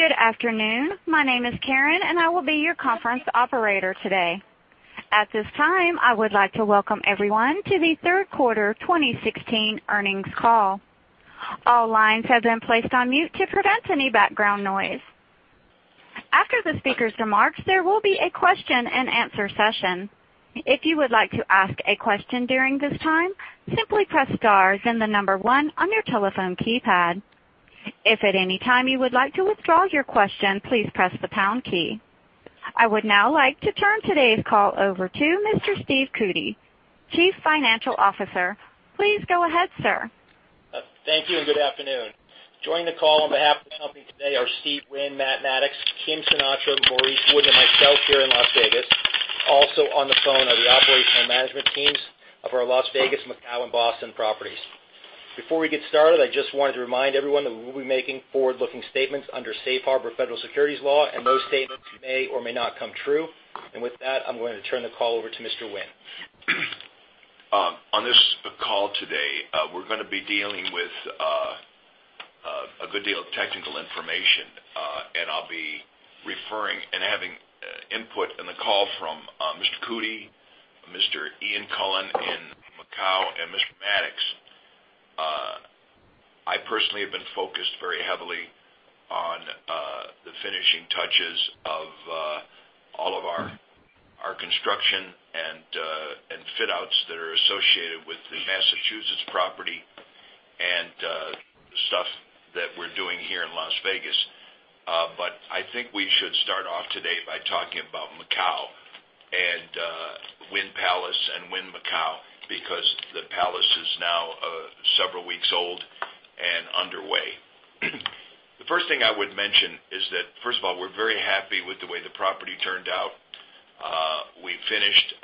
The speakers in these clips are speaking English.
Good afternoon. My name is Karen, and I will be your conference operator today. At this time, I would like to welcome everyone to the third quarter 2016 earnings call. All lines have been placed on mute to prevent any background noise. After the speaker's remarks, there will be a question-and-answer session. If you would like to ask a question during this time, simply press star, then the number 1 on your telephone keypad. If at any time you would like to withdraw your question, please press the pound key. I would now like to turn today's call over to Mr. Steve Cootey, Chief Financial Officer. Please go ahead, sir. Thank you. Good afternoon. Joining the call on behalf of the company today are Steve Wynn, Matt Maddox, Kim Sinatra, Maurice Wooden, and myself here in Las Vegas. Also on the phone are the operational management teams of our Las Vegas, Macau, and Boston properties. Before we get started, I just wanted to remind everyone that we will be making forward-looking statements under Safe Harbor federal securities law. Those statements may or may not come true. With that, I'm going to turn the call over to Mr. Wynn. On this call today, we're going to be dealing with a good deal of technical information. I'll be referring and having input in the call from Mr. Cootey, Mr. Ian Coughlan in Macau, and Mr. Maddox. I personally have been focused very heavily on the finishing touches of all of our construction and fit outs that are associated with the Massachusetts property and the stuff that we're doing here in Las Vegas. I think we should start off today by talking about Macau and Wynn Palace and Wynn Macau, because the Palace is now several weeks old and underway. The first thing I would mention is that, first of all, we're very happy with the way the property turned out. We finished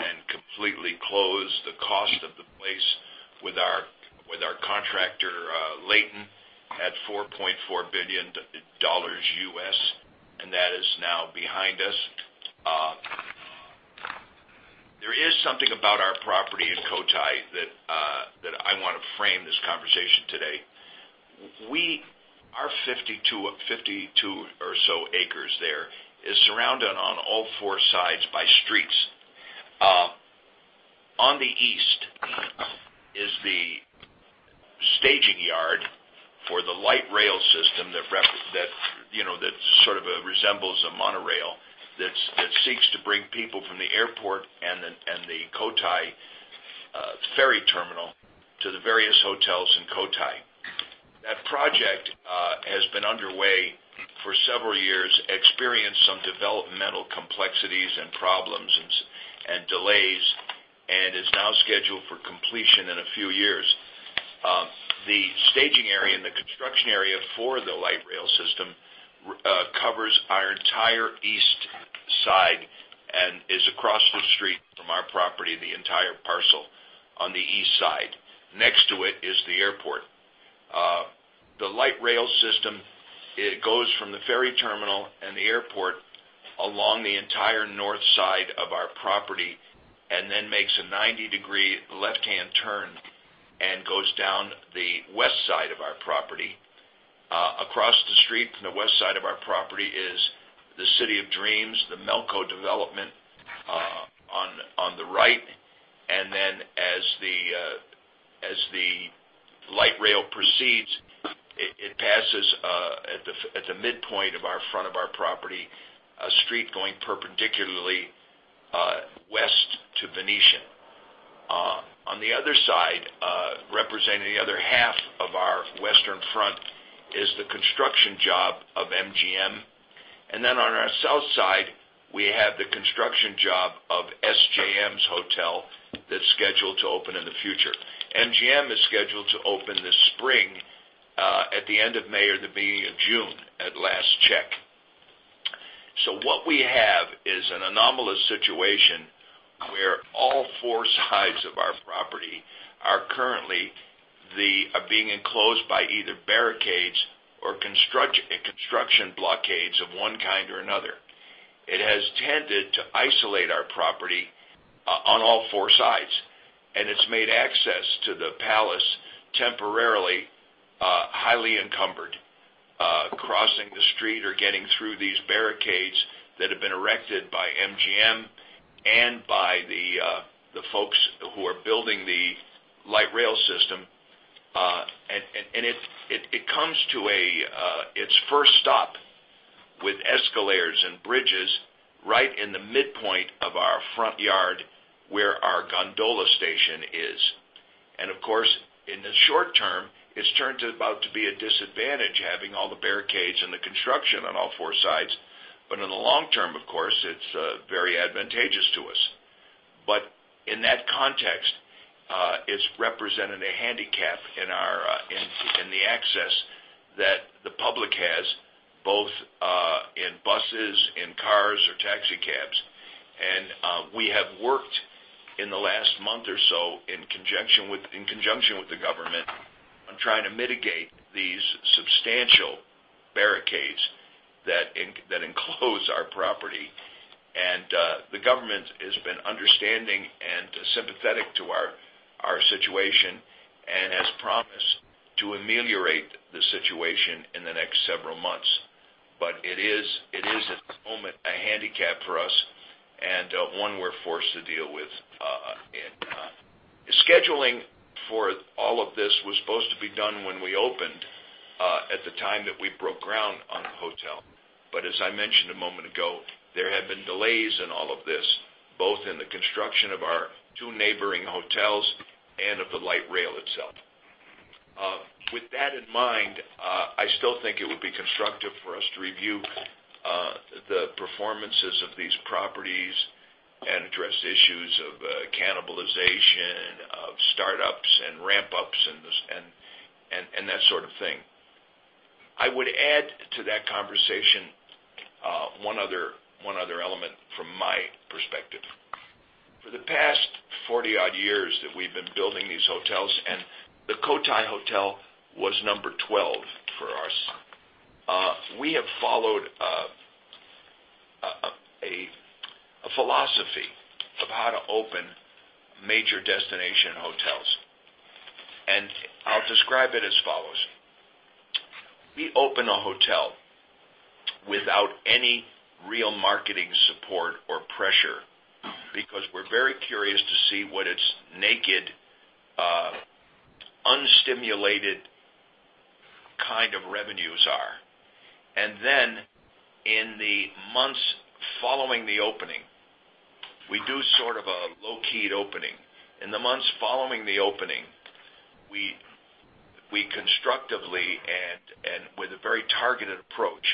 and completely closed the cost of the place with our contractor, Leighton, at $4.4 billion. That is now behind us. There is something about our property in Cotai that I want to frame this conversation today. Our 52 or so acres there is surrounded on all four sides by streets. On the east is the staging yard for the light rail system that sort of resembles a monorail, that seeks to bring people from the airport and the Cotai ferry terminal to the various hotels in Cotai. That project has been underway for several years, experienced some developmental complexities and problems and delays, and is now scheduled for completion in a few years. The staging area and the construction area for the light rail system covers our entire east side and is across the street from our property, the entire parcel on the east side. Next to it is the airport. The light rail system, it goes from the ferry terminal and the airport along the entire north side of our property and then makes a 90-degree left-hand turn and goes down the west side of our property. Across the street from the west side of our property is the City of Dreams, the Melco development, on the right. As the light rail proceeds, it passes at the midpoint of our front of our property, a street going perpendicularly west to Venetian. On the other side, representing the other half of our western front, is the construction job of MGM. On our south side, we have the construction job of SJM's hotel that's scheduled to open in the future. MGM is scheduled to open this spring at the end of May or the beginning of June at last check. What we have is an anomalous situation where all four sides of our property are currently being enclosed by either barricades or construction blockades of one kind or another. It has tended to isolate our property on all four sides, and it's made access to the Wynn Palace temporarily highly encumbered, crossing the street or getting through these barricades that have been erected by MGM and by the folks who are building the light rail system. It comes to its first stop with escalators and bridges right in the midpoint of our front yard, where our gondola station is. Of course, in the short term, it's turned about to be a disadvantage having all the barricades and the construction on all four sides. In the long term, of course, it's very advantageous to us. In that context, it's represented a handicap in the access that the public has, both in buses, in cars, or taxi cabs. We have worked in the last month or so in conjunction with the government on trying to mitigate these substantial barricades that enclose our property. The government has been understanding and sympathetic to our situation, and has promised to ameliorate the situation in the next several months. It is at this moment a handicap for us and one we're forced to deal with. Scheduling for all of this was supposed to be done when we opened, at the time that we broke ground on the hotel. As I mentioned a moment ago, there have been delays in all of this, both in the construction of our two neighboring hotels and of the light rail itself. With that in mind, I still think it would be constructive for us to review the performances of these properties and address issues of cannibalization, of startups, and ramp-ups, and that sort of thing. I would add to that conversation one other element from my perspective. For the past 40-odd years that we've been building these hotels, and the Cotai hotel was number 12 for us. We have followed a philosophy of how to open major destination hotels. I'll describe it as follows. We open a hotel without any real marketing support or pressure because we're very curious to see what its naked, unstimulated kind of revenues are. Then, in the months following the opening, we do sort of a low-keyed opening. In the months following the opening, we constructively, and with a very targeted approach,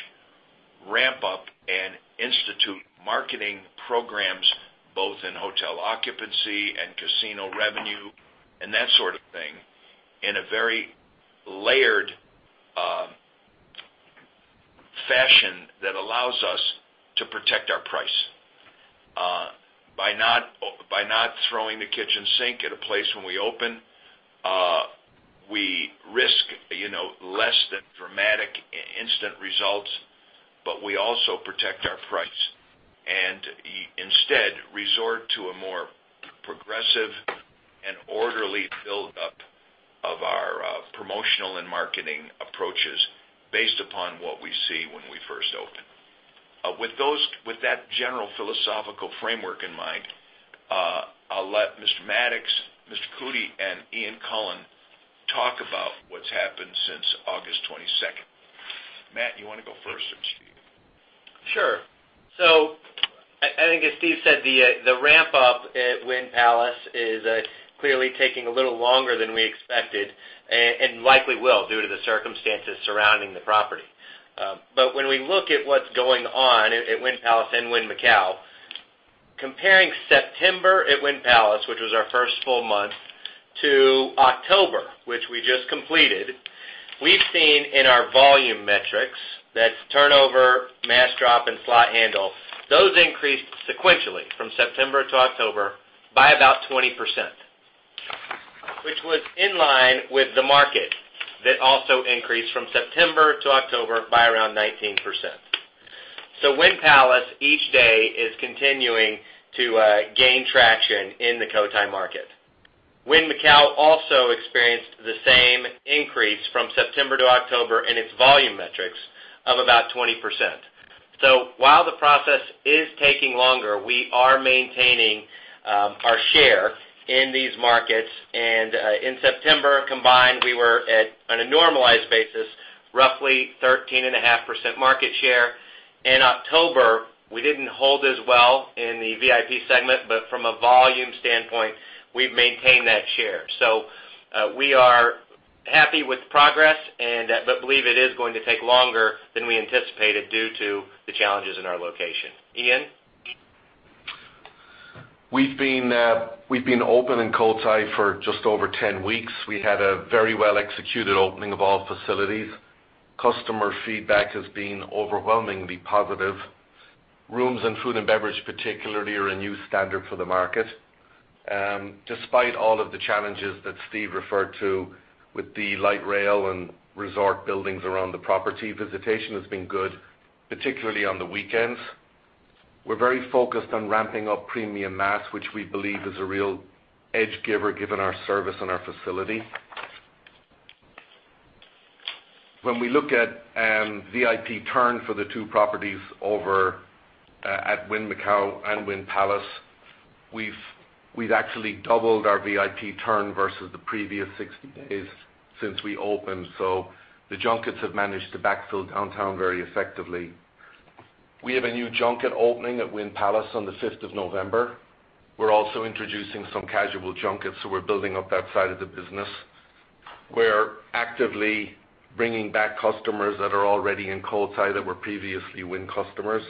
ramp up and institute marketing programs, both in hotel occupancy and casino revenue and that sort of thing, in a very layered fashion that allows us to protect our price. By not throwing the kitchen sink at a place when we open, we risk less than dramatic instant results, but we also protect our price, and instead resort to a more progressive and orderly buildup of our promotional and marketing approaches based upon what we see when we first open. With that general philosophical framework in mind, I'll let Mr. Maddox, Mr. Cootey, and Ian Coughlan talk about what's happened since August 22nd. Matt, you want to go first or Steve? Sure. I think as Steve said, the ramp-up at Wynn Palace is clearly taking a little longer than we expected and likely will due to the circumstances surrounding the property. When we look at what's going on at Wynn Palace and Wynn Macau, comparing September at Wynn Palace, which was our first full month, to October, which we just completed, we've seen in our volume metrics, that's turnover, mass drop, and slot handle. Those increased sequentially from September to October by about 20%, which was in line with the market, that also increased from September to October by around 19%. Wynn Palace each day is continuing to gain traction in the Cotai market. Wynn Macau also experienced the same increase from September to October in its volume metrics of about 20%. While the process is taking longer, we are maintaining our share in these markets. In September combined, we were, on a normalized basis, roughly 13.5% market share. In October, we didn't hold as well in the VIP segment, but from a volume standpoint, we've maintained that share. We are happy with the progress, but believe it is going to take longer than we anticipated due to the challenges in our location. Ian? We've been open in Cotai for just over 10 weeks. We had a very well-executed opening of all facilities. Customer feedback has been overwhelmingly positive. Rooms and food and beverage particularly are a new standard for the market. Despite all of the challenges that Steve referred to with the light rail and resort buildings around the property, visitation has been good, particularly on the weekends. We're very focused on ramping up premium mass, which we believe is a real edge giver given our service and our facility. When we look at VIP turn for the two properties over at Wynn Macau and Wynn Palace, we've actually doubled our VIP turn versus the previous 60 days since we opened. The junkets have managed to backfill downtown very effectively. We have a new junket opening at Wynn Palace on the 5th of November. We're also introducing some casual junkets, so we're building up that side of the business. We're actively bringing back customers that are already in Cotai that were previously Wynn customers.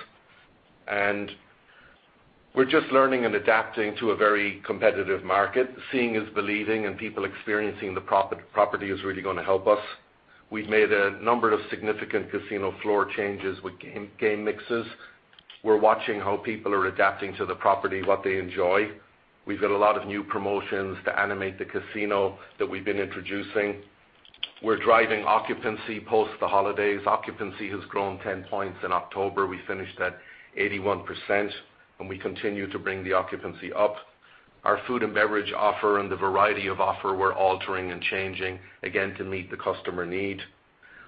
We're just learning and adapting to a very competitive market. Seeing is believing, and people experiencing the property is really going to help us. We've made a number of significant casino floor changes with game mixes. We're watching how people are adapting to the property, what they enjoy. We've got a lot of new promotions to animate the casino that we've been introducing. We're driving occupancy post the holidays. Occupancy has grown 10 points in October. We finished at 81%, and we continue to bring the occupancy up. Our food and beverage offer and the variety of offer we're altering and changing, again, to meet the customer need.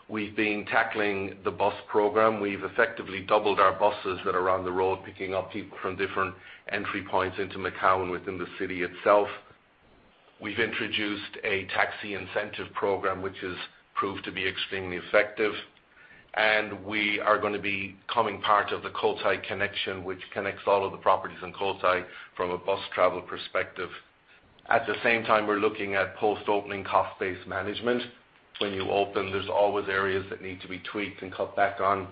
We've been tackling the bus program. We've effectively doubled our buses that are on the road, picking up people from different entry points into Macau and within the city itself. We've introduced a taxi incentive program, which has proved to be extremely effective. We are going to be becoming part of the Cotai Connection, which connects all of the properties in Cotai from a bus travel perspective. At the same time, we're looking at post-opening cost-based management. When you open, there's always areas that need to be tweaked and cut back on.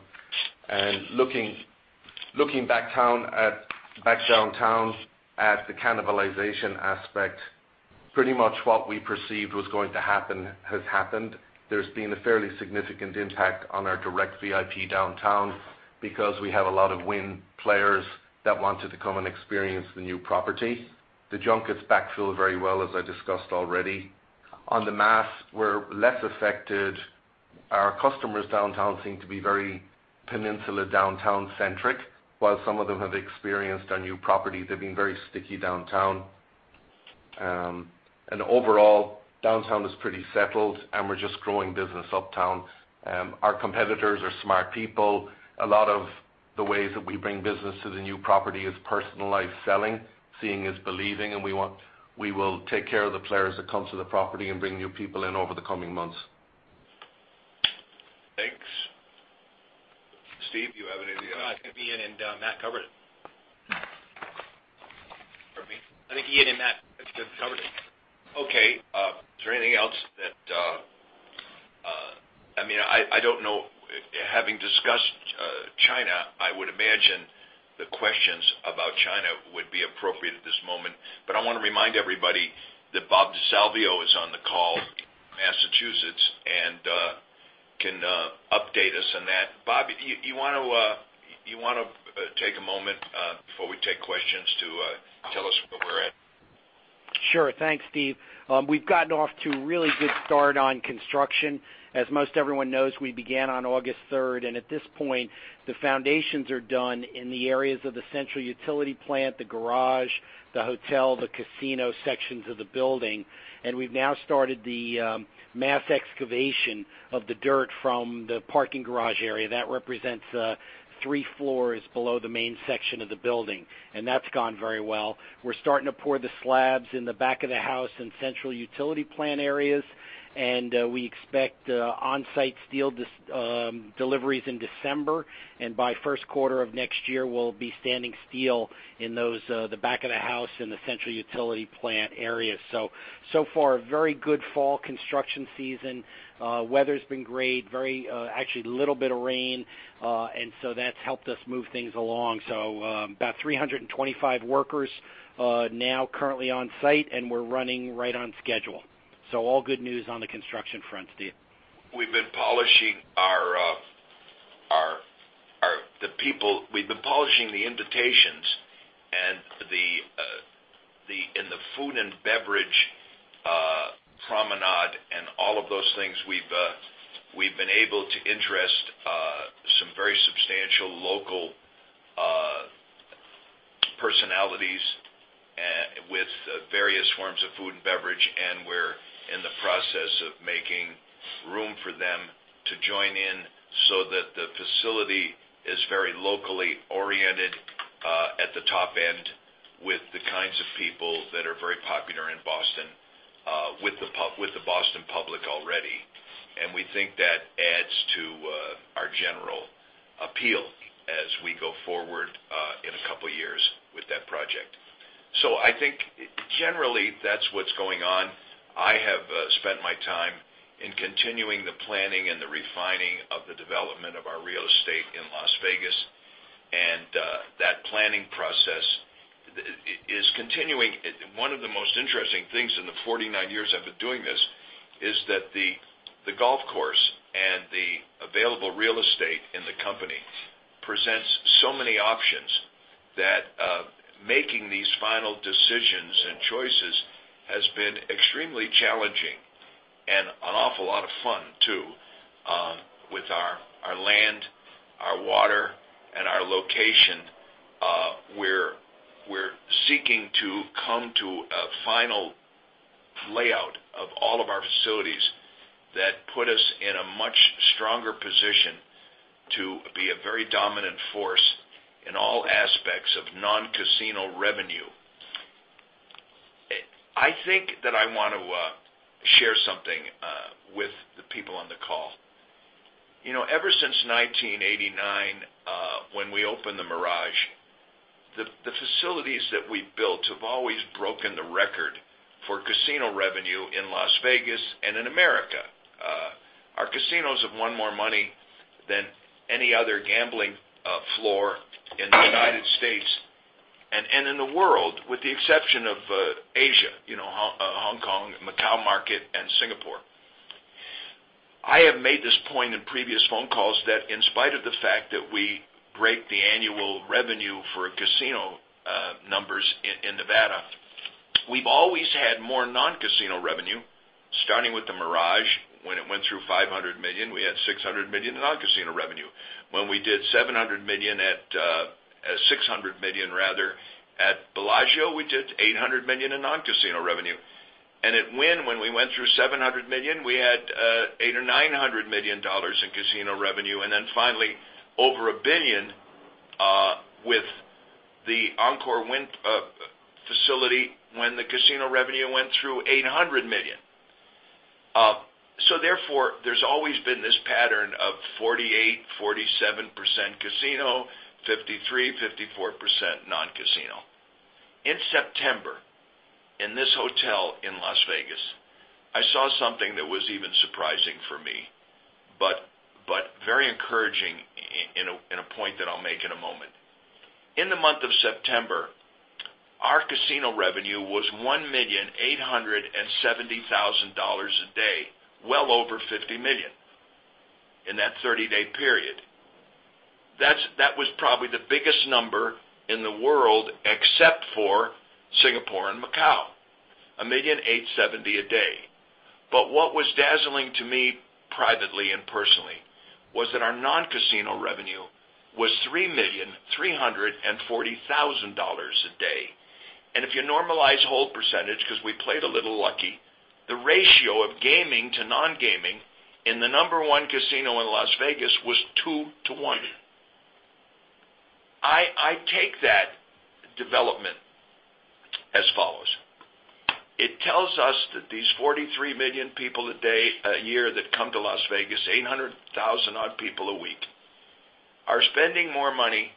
Looking back downtown at the cannibalization aspect, pretty much what we perceived was going to happen has happened. There's been a fairly significant impact on our direct VIP downtown because we have a lot of Wynn players that wanted to come and experience the new property. The junkets backfill very well, as I discussed already. On the mass, we're less affected. Our customers downtown seem to be very peninsula downtown centric. While some of them have experienced our new property, they've been very sticky downtown. Overall, downtown is pretty settled, and we're just growing business uptown. Our competitors are smart people. A lot of the ways that we bring business to the new property is personalized selling. Seeing is believing, and we will take care of the players that come to the property and bring new people in over the coming months. Thanks. Steve, do you have any? No, I think Ian and Matt covered it. Pardon me? I think Ian and Matt covered it. Okay. Is there anything else I don't know, having discussed China, I would imagine the questions about China would be appropriate at this moment. I want to remind everybody that Bob DeSalvio is on the call from Massachusetts and can update us on that. Bob, you want to take a moment before we take questions to tell us where we're at? Sure. Thanks, Steve. We've gotten off to a really good start on construction. As most everyone knows, we began on August third, at this point, the foundations are done in the areas of the central utility plant, the garage, the hotel, the casino sections of the building. We've now started the mass excavation of the dirt from the parking garage area. That represents three floors below the main section of the building, and that's gone very well. We're starting to pour the slabs in the back of the house and central utility plant areas, and we expect on-site steel deliveries in December. By first quarter of next year, we'll be standing steel in the back of the house and the central utility plant area. So far, a very good fall construction season. Weather's been great. Actually, little bit of rain, that's helped us move things along. About 325 workers now currently on site, and we're running right on schedule. All good news on the construction front, Steve. We've been polishing the invitations and in the food and beverage promenade and all of those things, we've been able to interest some very substantial local personalities with various forms of food and beverage, and we're in the process of making room for them to join in so that the facility is very locally oriented at the top end with the kinds of people that are very popular in Boston, with the Boston public already. We think that adds to our general appeal as we go forward in a couple of years with that project. I think generally, that's what's going on. I have spent my time in continuing the planning and the refining of the development of our real estate in Las Vegas, and that planning process is continuing. One of the most interesting things in the 49 years I've been doing this is that the golf course and the available real estate in the company presents so many options that making these final decisions and choices has been extremely challenging and an awful lot of fun, too. With our land, our water, and our location, we're seeking to come to a final layout of all of our facilities that put us in a much stronger position to be a very dominant force in all aspects of non-casino revenue. I think that I want to share something with the people on the call. Ever since 1989, when we opened the Mirage, the facilities that we've built have always broken the record for casino revenue in Las Vegas and in America. Our casinos have won more money than any other gambling floor in the U.S. and in the world, with the exception of Asia, Hong Kong, Macau market, and Singapore. I have made this point in previous phone calls that in spite of the fact that we break the annual revenue for casino numbers in Nevada, we've always had more non-casino revenue, starting with the Mirage. When it went through $500 million, we had $600 million in non-casino revenue. When we did $700 million, $600 million rather, at Bellagio, we did $800 million in non-casino revenue. At Wynn, when we went through $700 million, we had $800 million or $900 million in casino revenue, and then finally over $1 billion, with the Encore Wynn facility when the casino revenue went through $800 million. Therefore, there's always been this pattern of 48%, 47% casino, 53%, 54% non-casino. In September, in this hotel in Las Vegas, I saw something that was even surprising for me, but very encouraging in a point that I'll make in a moment. In the month of September, our casino revenue was $1,870,000 a day, well over $50 million in that 30-day period. That was probably the biggest number in the world, except for Singapore and Macau, $1,870,000 a day. What was dazzling to me privately and personally, was that our non-casino revenue was $3,340,000 a day. If you normalize hold percentage, because we played a little lucky, the ratio of gaming to non-gaming in the number 1 casino in Las Vegas was two to one. I take that development as follows. It tells us that these 43 million people a year that come to Las Vegas, 800,000-odd people a week, are spending more money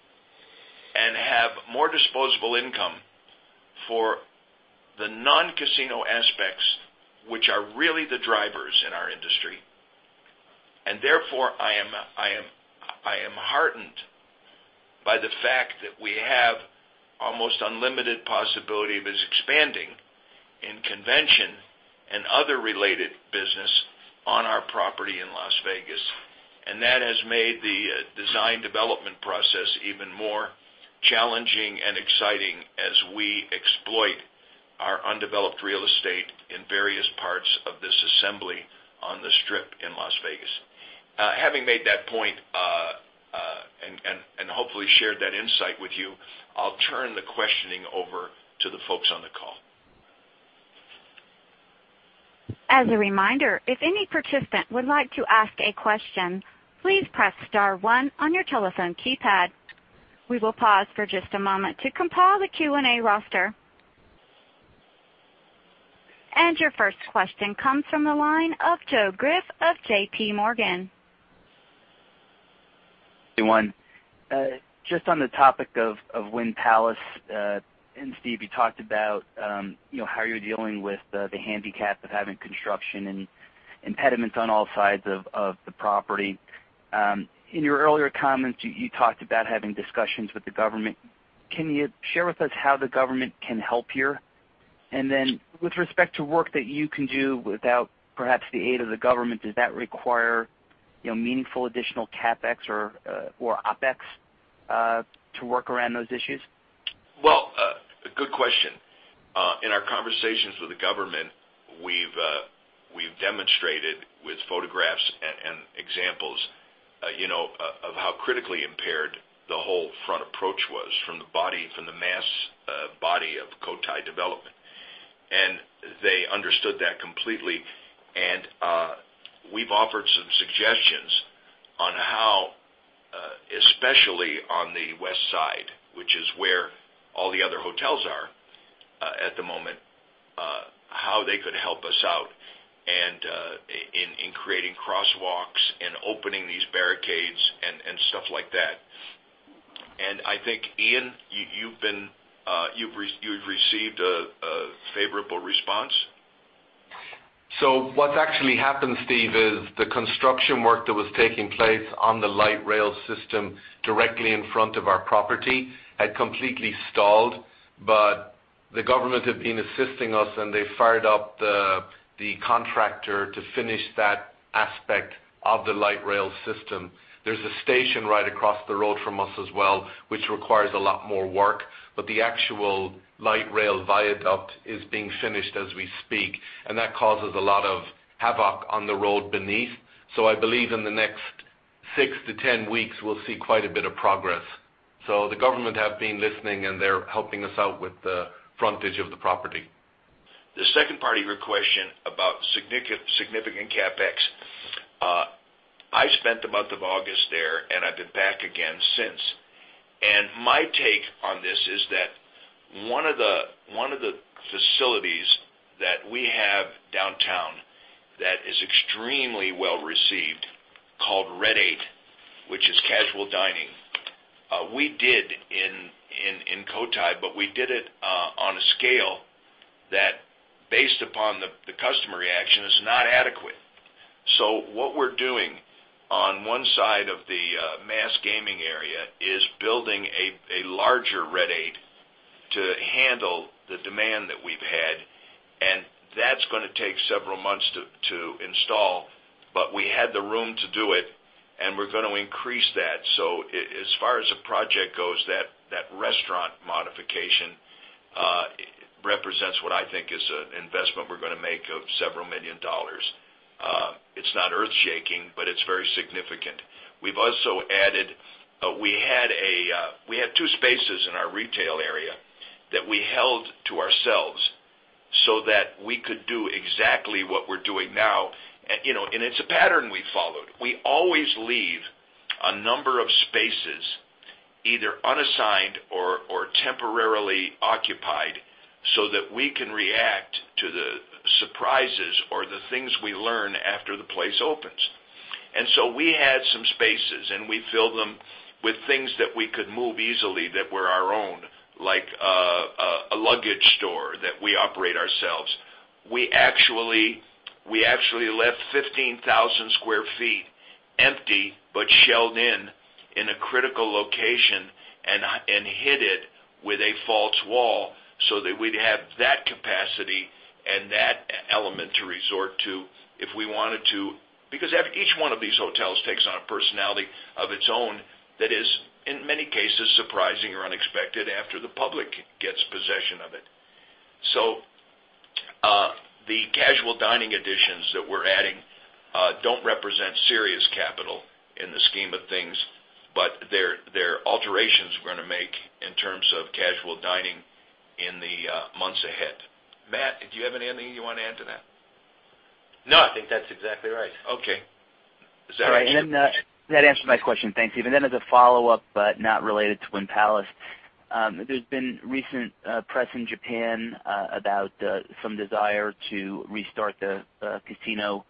and have more disposable income for the non-casino aspects, which are really the drivers in our industry. Therefore, I am heartened by the fact that we have almost unlimited possibility of us expanding in convention and other related business on our property in Las Vegas. That has made the design development process even more challenging and exciting as we exploit our undeveloped real estate in various parts of this assembly on the Strip in Las Vegas. Having made that point, and hopefully shared that insight with you, I'll turn the questioning over to the folks on the call. As a reminder, if any participant would like to ask a question, please press star one on your telephone keypad. We will pause for just a moment to compile the Q&A roster. Your first question comes from the line of Joe Greff of J.P. Morgan. One. Just on the topic of Wynn Palace, and Steve, you talked about how you're dealing with the handicap of having construction and impediments on all sides of the property. In your earlier comments, you talked about having discussions with the government. Then with respect to work that you can do without perhaps the aid of the government, does that require meaningful additional CapEx or OpEx to work around those issues? Well, good question. In our conversations with the government, we've demonstrated with photographs and examples of how critically impaired the whole front approach was from the mass body of Cotai development. They understood that completely. We've offered some suggestions on how, especially on the west side, which is where all the other hotels are at the moment, how they could help us out and in creating crosswalks and opening these barricades and stuff like that. I think, Ian, you've received a favorable response? What's actually happened, Steve, is the construction work that was taking place on the light rail system directly in front of our property had completely stalled. The government have been assisting us, and they fired up the contractor to finish that aspect of the light rail system. There's a station right across the road from us as well, which requires a lot more work, but the actual light rail viaduct is being finished as we speak, and that causes a lot of havoc on the road beneath. I believe in the next 6 to 10 weeks, we'll see quite a bit of progress. The government have been listening, and they're helping us out with the frontage of the property. The second part of your question about significant CapEx. I spent the month of August there, and I've been back again since. My take on this is that one of the facilities that we have downtown that is extremely well-received, called Red 8, which is casual dining. We did in Cotai, but we did it on a scale that based upon the customer reaction, is not adequate. What we're doing on one side of the mass gaming area is building a larger Red 8 to handle the demand that we've had, and that's going to take several months to install, but we had the room to do it, and we're going to increase that. As far as the project goes, that restaurant modification represents what I think is an investment we're going to make of $several million. It's not earth-shaking, but it's very significant. We had two spaces in our retail area that we held to ourselves so that we could do exactly what we're doing now. It's a pattern we followed. We always leave a number of spaces either unassigned or temporarily occupied so that we can react to the surprises or the things we learn after the place opens. We had some spaces, and we filled them with things that we could move easily that were our own, like a luggage store that we operate ourselves. We actually left 15,000 sq ft empty, but shelled in a critical location and hid it with a false wall so that we'd have that capacity and that element to resort to if we wanted to. Each one of these hotels takes on a personality of its own that is, in many cases, surprising or unexpected after the public gets possession of it. The casual dining additions that we're adding don't represent serious capital in the scheme of things, but they're alterations we're going to make in terms of casual dining in the months ahead. Matt, do you have anything you want to add to that? No, I think that's exactly right. Okay. Is that right? That answered my question. Thanks, Steve. As a follow-up, but not related to Wynn Palace. There's been recent press in Japan about some desire to restart the casino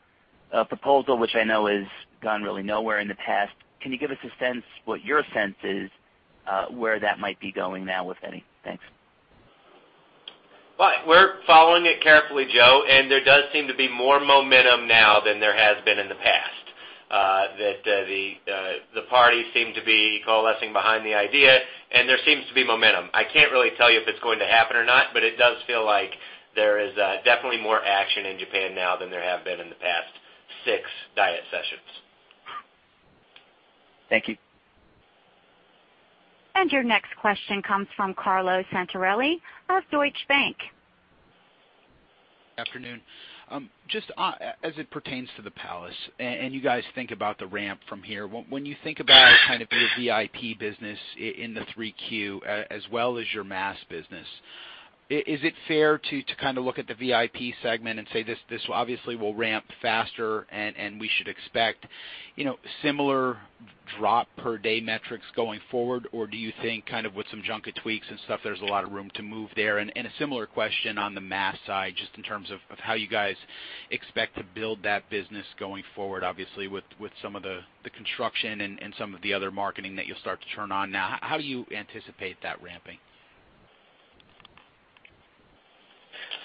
proposal, which I know has gone really nowhere in the past. Can you give us a sense what your sense is where that might be going now, if any? Thanks. Well, we're following it carefully, Joe, there does seem to be more momentum now than there has been in the past, that the parties seem to be coalescing behind the idea, there seems to be momentum. I can't really tell you if it's going to happen or not, it does feel like there is definitely more action in Japan now than there have been in the past six Diet sessions. Thank you. Your next question comes from Carlo Santarelli of Deutsche Bank. Afternoon. Just as it pertains to the Palace, you guys think about the ramp from here. When you think about kind of your VIP business in the 3Q as well as your mass business, is it fair to look at the VIP segment and say, "This obviously will ramp faster, and we should expect similar drop per day metrics going forward"? Do you think with some junket tweaks and stuff, there's a lot of room to move there? A similar question on the mass side, just in terms of how you guys expect to build that business going forward, obviously, with some of the construction and some of the other marketing that you'll start to turn on now. How do you anticipate that ramping?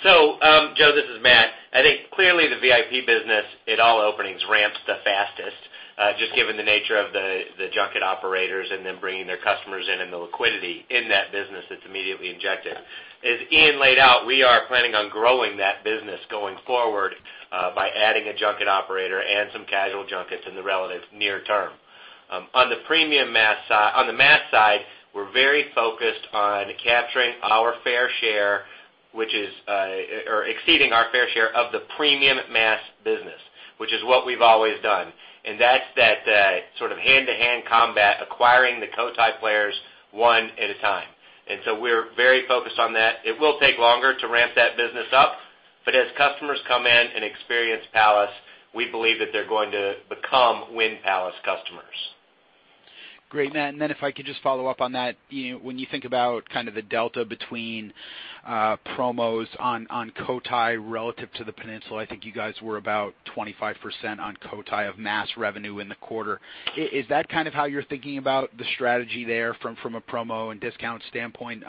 Joe, this is Matt. I think clearly the VIP business at all openings ramps the fastest, just given the nature of the junket operators and them bringing their customers in and the liquidity in that business that's immediately injected. As Ian laid out, we are planning on growing that business going forward by adding a junket operator and some casual junkets in the relative near term. On the mass side, we're very focused on capturing our fair share or exceeding our fair share of the premium mass business, which is what we've always done. That's that sort of hand-to-hand combat, acquiring the Cotai players one at a time. We're very focused on that. It will take longer to ramp that business up, but as customers come in and experience Palace, we believe that they're going to become Wynn Palace customers. Great, Matt. If I could just follow up on that. When you think about kind of the delta between promos on Cotai relative to the Peninsula, I think you guys were about 25% on Cotai of mass revenue in the quarter. Is that kind of how you're thinking about the strategy there from a promo and discount standpoint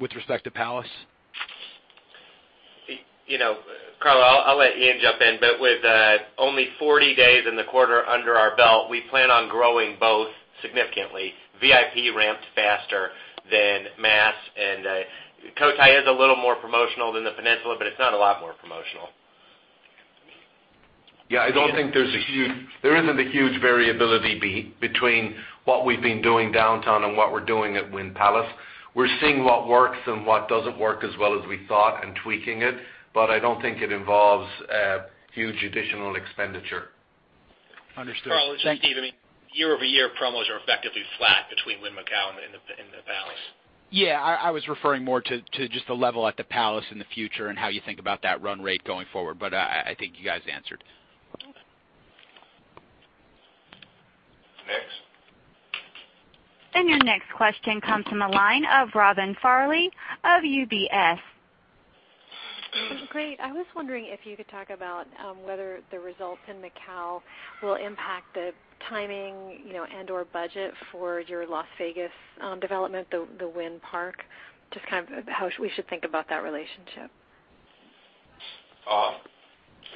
with respect to Palace? Carlo, I'll let Ian jump in, but with only 40 days in the quarter under our belt, we plan on growing both significantly. VIP ramps faster than mass, Cotai is a little more promotional than the Peninsula, but it's not a lot more promotional. Yeah, I don't think there isn't a huge variability between what we've been doing downtown and what we're doing at Wynn Palace. We're seeing what works and what doesn't work as well as we thought and tweaking it, but I don't think it involves huge additional expenditure. Understood. Thank you. Carlo, this is Steve. Year-over-year, promos are effectively flat between Wynn Macau and the Palace. Yeah, I was referring more to just the level at the Palace in the future and how you think about that run rate going forward, but I think you guys answered. Okay. Next. Your next question comes from the line of Robin Farley of UBS. Great. I was wondering if you could talk about whether the results in Macau will impact the timing and/or budget for your Las Vegas development, the Wynn Park, just kind of how we should think about that relationship.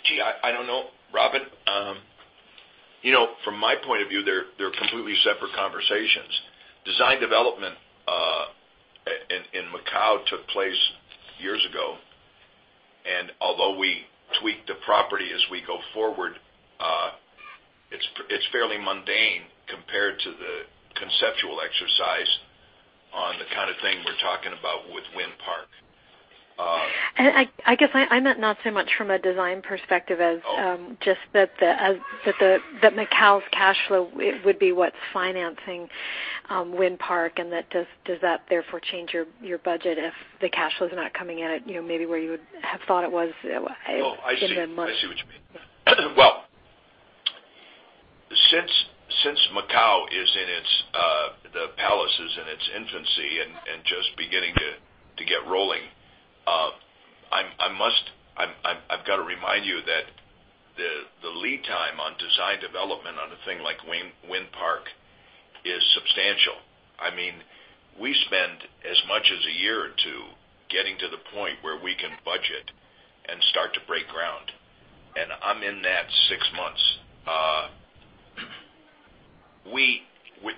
Gee, I don't know, Robin. From my point of view, they're completely separate conversations. Design development in Macau took place years ago, and although we tweaked the property as we go forward, it's fairly mundane compared to the conceptual exercise on the kind of thing we're talking about with Wynn Park. I guess I meant not so much from a design perspective as just that Macau's cash flow would be what's financing Wynn Park, and does that therefore change your budget if the cash flow is not coming in at maybe where you would have thought it was in the months? Oh, I see what you mean. Well, since the Palace is in its infancy and just beginning to get rolling, I've got to remind you that the lead time on design development on a thing like Wynn Park is substantial. We spend as much as a year or two getting to the point where we can budget and start to break ground, and I'm in that six months.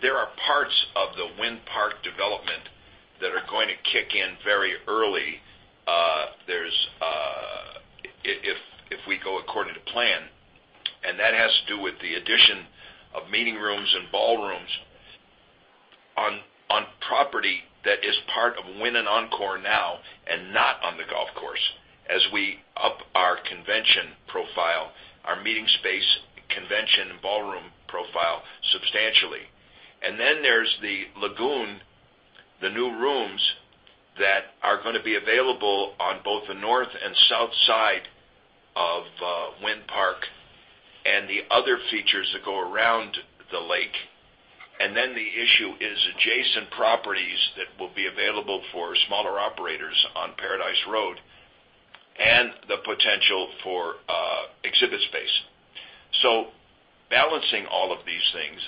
There are parts of the Wynn Park development that are going to kick in very early, if we go according to plan, and that has to do with the addition of meeting rooms and ballrooms on property that is part of Wynn and Encore now and not on the golf course, as we up our convention profile, our meeting space, convention, and ballroom profile substantially. There's the lagoon, the new rooms that are going to be available on both the north and south side of Wynn Park, and the other features that go around the lake. The issue is adjacent properties that will be available for smaller operators on Paradise Road and the potential for exhibit space. Balancing all of these things,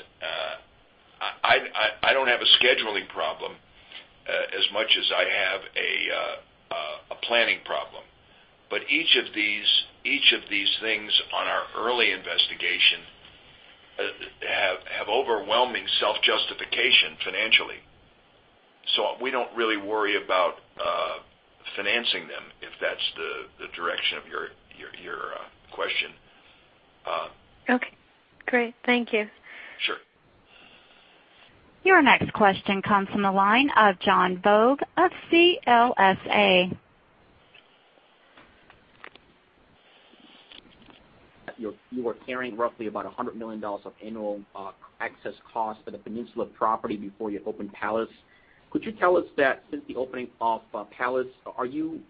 I don't have a scheduling problem as much as I have a planning problem. Each of these things on our early investigation have overwhelming self-justification financially. We don't really worry about financing them, if that's the direction of your question. Okay, great. Thank you. Sure. Your next question comes from the line of Jon Oh of CLSA. You were carrying roughly about $100 million of annual excess cost for the Wynn Macau property before you opened Wynn Palace. Could you tell us that since the opening of Wynn Palace, have you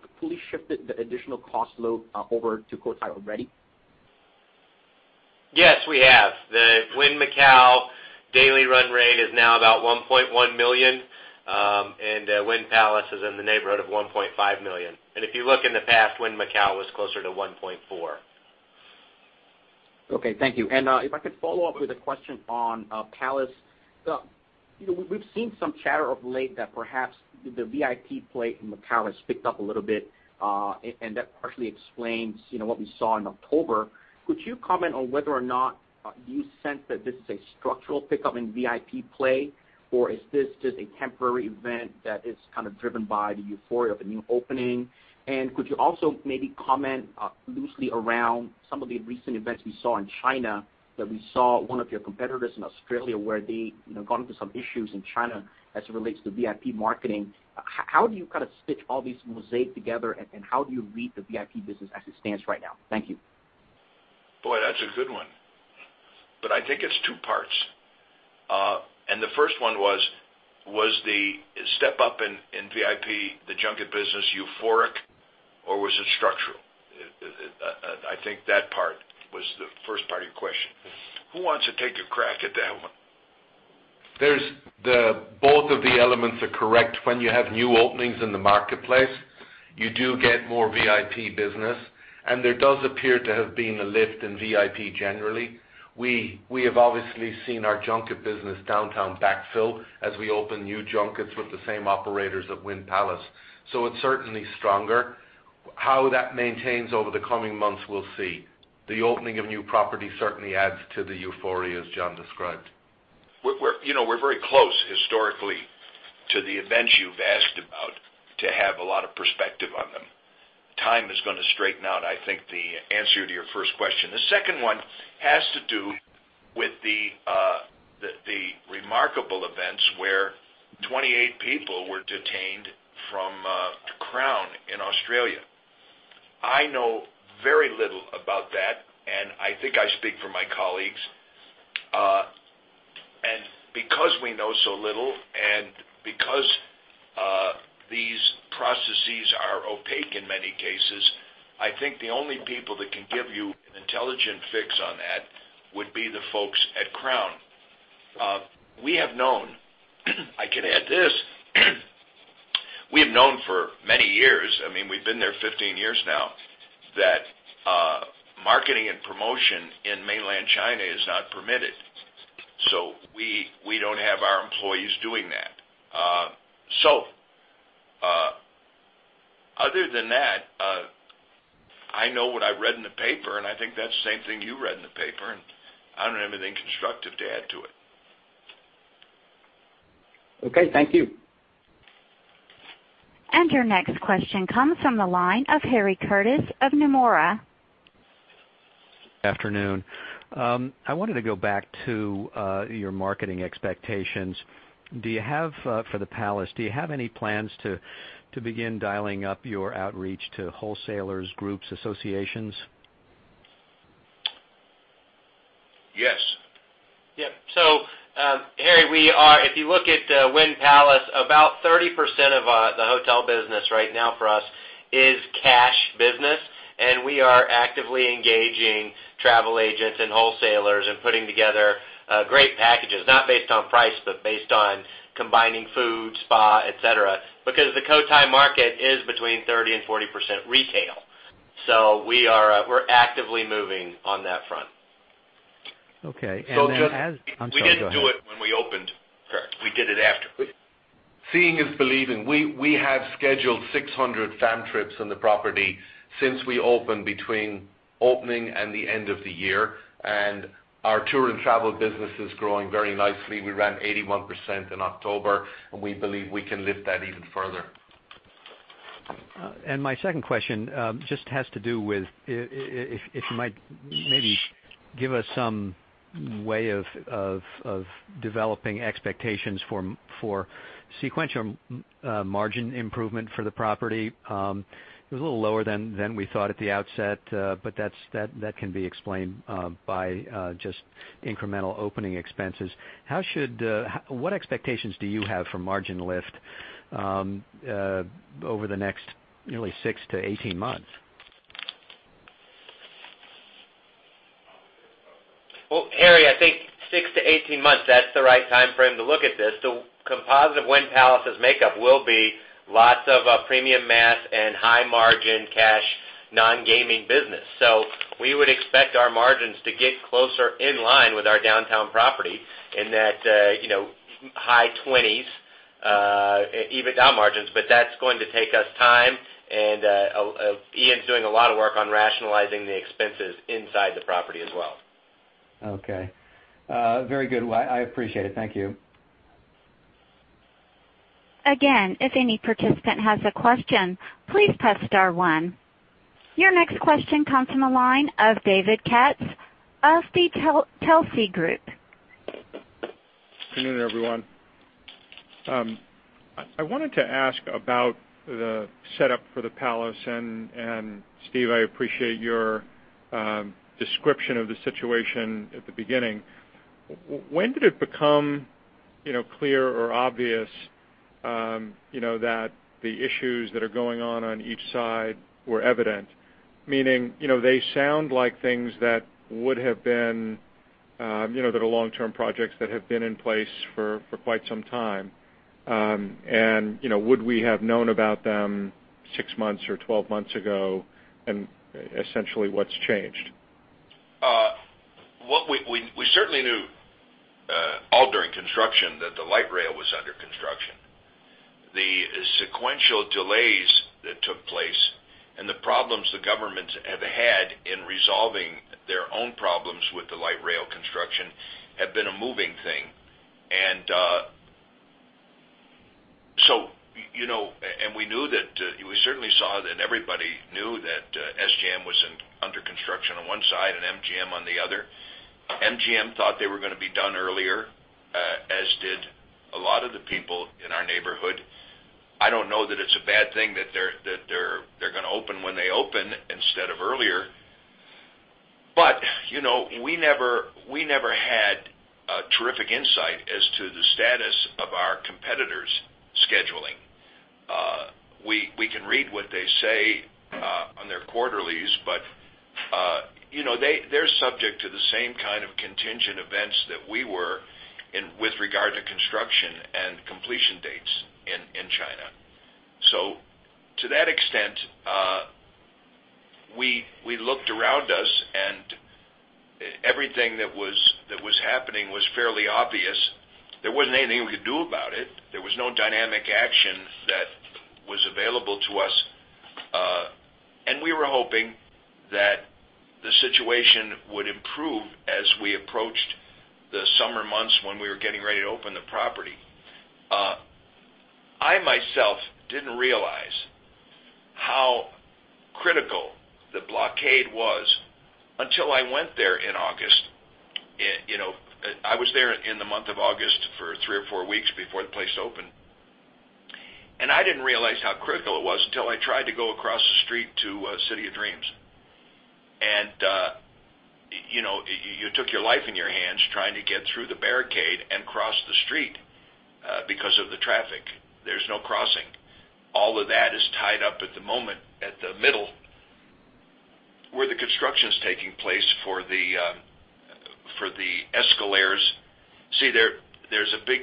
completely shifted the additional cost load over to Cotai already? Yes, we have. The Wynn Macau daily run rate is now about $1.1 million, and Wynn Palace is in the neighborhood of $1.5 million. If you look in the past, Wynn Macau was closer to $1.4. Okay, thank you. If I could follow up with a question on Wynn Palace. We've seen some chatter of late that perhaps the VIP play in Macau has picked up a little bit, and that partially explains what we saw in October. Could you comment on whether or not you sense that this is a structural pickup in VIP play, or is this just a temporary event that is kind of driven by the euphoria of a new opening? Could you also maybe comment loosely around some of the recent events we saw in China, that we saw one of your competitors in Australia, where they got into some issues in China as it relates to VIP marketing. How do you kind of stitch all this mosaic together, and how do you read the VIP business as it stands right now? Thank you. Boy, that's a good one. I think it's two parts. The first one was the step up in VIP, the junket business euphoric, or was it structural? I think that part was the first part of your question. Who wants to take a crack at that one? Both of the elements are correct. When you have new openings in the marketplace, you do get more VIP business, and there does appear to have been a lift in VIP generally. We have obviously seen our junket business downtown backfill as we open new junkets with the same operators at Wynn Palace. It's certainly stronger. How that maintains over the coming months, we'll see. The opening of new property certainly adds to the euphoria, as Jon described. We're very close historically to the events you've asked about to have a lot of perspective on them. Time is going to straighten out, I think, the answer to your first question. The second one has to do with the remarkable events where 28 people were detained from Crown in Australia. I know very little about that, and I think I speak for my colleagues. Because we know so little, and because these processes are opaque in many cases, I think the only people that can give you an intelligent fix on that would be the folks at Crown. I can add this. We have known for many years, we've been there 15 years now, that marketing and promotion in mainland China is not permitted. We don't have our employees doing that. Other than that, I know what I read in the paper, and I think that's the same thing you read in the paper, and I don't have anything constructive to add to it. Okay, thank you. Your next question comes from the line of Harry Curtis of Nomura. Afternoon. I wanted to go back to your marketing expectations. For the Wynn Palace, do you have any plans to begin dialing up your outreach to wholesalers, groups, associations? Yes. Yep. Harry, if you look at Wynn Palace, about 30% of the hotel business right now for us is cash business, and we are actively engaging travel agents and wholesalers and putting together great packages, not based on price, but based on combining food, spa, et cetera, because the Cotai market is between 30% and 40% retail. We're actively moving on that front. Okay. I'm sorry, go ahead. We didn't do it when we opened. Correct. We did it after. Seeing is believing. We have scheduled 600 fam trips on the property since we opened between opening and the end of the year. Our tour and travel business is growing very nicely. We ran 81% in October. We believe we can lift that even further. My second question just has to do with, if you might maybe give us some way of developing expectations for sequential margin improvement for the property. It was a little lower than we thought at the outset, but that can be explained by just incremental opening expenses. What expectations do you have for margin lift over the next nearly six to 18 months? Well, Harry, I think 6-18 months, that's the right timeframe to look at this. The composite of Wynn Palace's makeup will be lots of premium mass and high margin cash non-gaming business. We would expect our margins to get closer in line with our downtown property in that high 20s EBITDA margins, but that's going to take us time, and Ian's doing a lot of work on rationalizing the expenses inside the property as well. Okay. Very good. Well, I appreciate it. Thank you. Again, if any participant has a question, please press star one. Your next question comes from the line of David Katz of the Telsey Group. Good afternoon, everyone. I wanted to ask about the setup for the Palace, Steve, I appreciate your description of the situation at the beginning. When did it become clear or obvious that the issues that are going on each side were evident? Meaning, they sound like things that are long-term projects that have been in place for quite some time. Would we have known about them six months or 12 months ago, and essentially, what's changed? We certainly knew all during construction that the light rail was under construction. The sequential delays that took place and the problems the governments have had in resolving their own problems with the light rail construction have been a moving thing. We certainly saw that everybody knew that SJM was under construction on one side and MGM on the other. MGM thought they were going to be done earlier, as did a lot of the people in our neighborhood. I don't know that it's a bad thing that they're going to open when they open instead of earlier. We never had a terrific insight as to the status of our competitors' scheduling. We can read what they say on their quarterlies, but they're subject to the same kind of contingent events that we were with regard to construction and completion dates in China. To that extent, we looked around us and everything that was happening was fairly obvious. There wasn't anything we could do about it. There was no dynamic action that was available to us. We were hoping that the situation would improve as we approached the summer months when we were getting ready to open the property. I myself didn't realize how critical the blockade was until I went there in August. I was there in the month of August for three or four weeks before the place opened. I didn't realize how critical it was until I tried to go across the street to City of Dreams. You took your life in your hands trying to get through the barricade and cross the street because of the traffic. There's no crossing. All of that is tied up at the moment at the middle, where the construction's taking place for the escalators. See, there's a big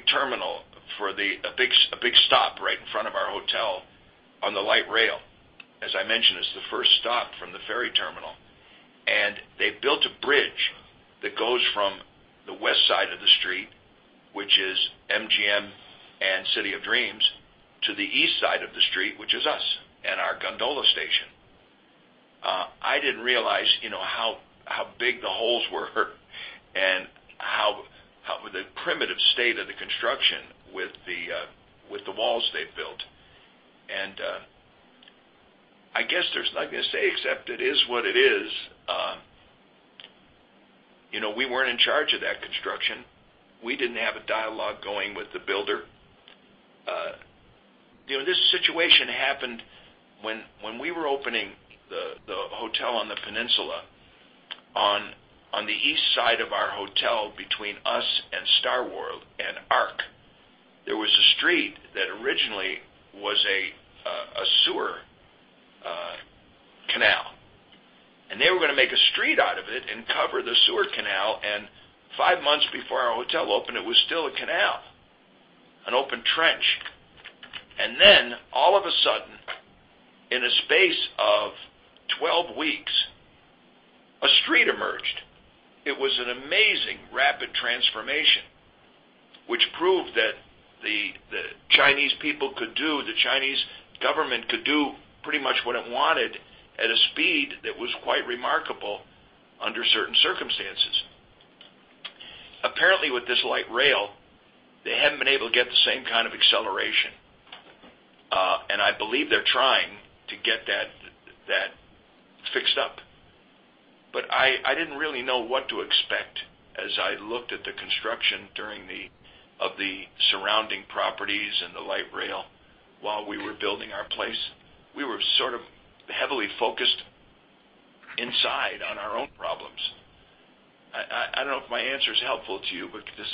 stop right in front of our hotel on the light rail. As I mentioned, it's the first stop from the ferry terminal. They built a bridge that goes from the west side of the street, which is MGM and City of Dreams, to the east side of the street, which is us and our gondola station. I didn't realize how big the holes were and how the primitive state of the construction with the walls they built. I guess there's nothing to say except it is what it is. We weren't in charge of that construction. We didn't have a dialogue going with the builder. This situation happened when we were opening the hotel on the peninsula, on the east side of our hotel between us and StarWorld and L'Arc. There was a street that originally was a sewer canal, and they were going to make a street out of it and cover the sewer canal, and five months before our hotel opened, it was still a canal, an open trench. Then all of a sudden, in a space of 12 weeks, a street emerged. It was an amazing rapid transformation, which proved that the Chinese people could do, the Chinese government could do pretty much what it wanted at a speed that was quite remarkable under certain circumstances. Apparently, with this light rail, they haven't been able to get the same kind of acceleration. I believe they're trying to get that fixed up. I didn't really know what to expect as I looked at the construction of the surrounding properties and the light rail while we were building our place. We were sort of heavily focused inside on our own problems. I don't know if my answer is helpful to you, but does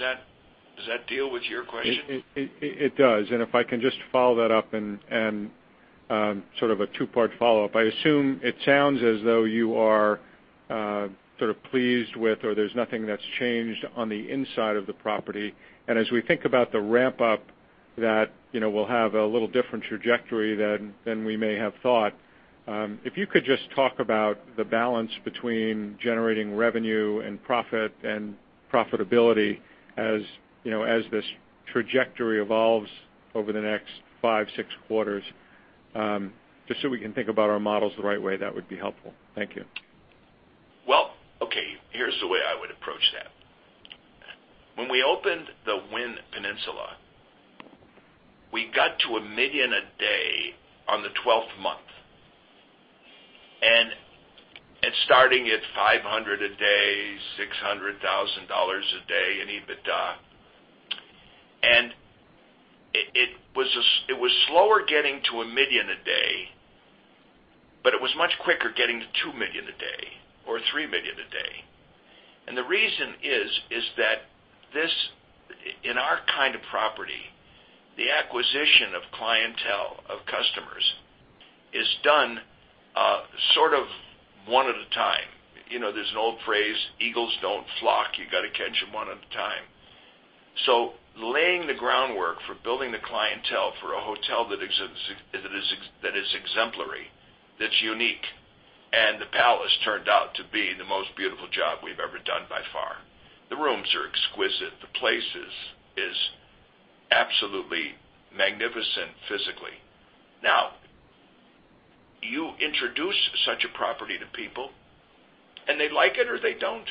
that deal with your question? It does. If I can just follow that up and sort of a two-part follow-up. I assume it sounds as though you are sort of pleased with, or there's nothing that's changed on the inside of the property. As we think about the ramp-up that will have a little different trajectory than we may have thought, if you could just talk about the balance between generating revenue and profit and profitability as this trajectory evolves over the next five, six quarters, just so we can think about our models the right way, that would be helpful. Thank you. Well, okay. Here's the way I would approach that. When we opened the Wynn Macau, we got to $1 million a day on the 12th month, starting at $500,000 a day, $600,000 a day in EBITDA. It was slower getting to $1 million a day, but it was much quicker getting to $2 million a day or $3 million a day. The reason is that in our kind of property, the acquisition of clientele, of customers is done sort of one at a time. There's an old phrase, "Eagles don't flock. You got to catch them one at a time." Laying the groundwork for building the clientele for a hotel that is exemplary, that's unique, and the Wynn Palace turned out to be the most beautiful job we've ever done by far. The rooms are exquisite. The place is absolutely magnificent physically. Now, you introduce such a property to people, and they like it or they don't.